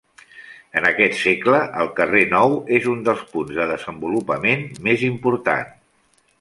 En aquest segle, el carrer Nou és un dels punts de desenvolupament més important.